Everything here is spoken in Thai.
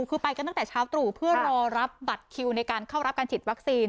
คือไปกันตั้งแต่เช้าตรู่เพื่อรอรับบัตรคิวในการเข้ารับการฉีดวัคซีน